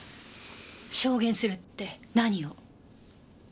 証言するって何を？